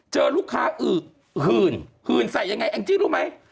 เจอลูกค้าหื่นหื่นใส่อย่างไรแองจิรู้ไหม